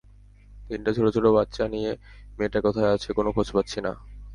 তিনটা ছোট ছোট বাচ্চা নিয়ে মেয়েটা কোথায় আছে, কোনো খোঁজ পাচ্ছি না।